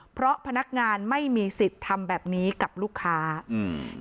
เพราะพนักงานไม่มีสิทธิ์ทำแบบนี้กับลูกค้าอืม